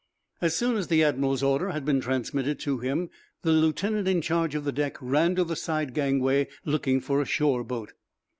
As soon as the admiral's order had been transmitted to him, the lieutenant in charge of the deck ran to the side gangway, looking for a shore boat.